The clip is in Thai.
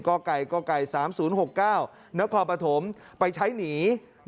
กก๓๐๖๙นครปฐมไปใช้หนี